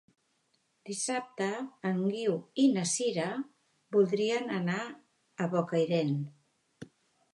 Dissabte en Guiu i na Sira voldrien anar a Bocairent.